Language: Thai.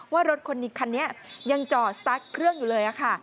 ว่ารถคันนี้ยังจอดสตาร์ทเครื่องอยู่เลยค่ะ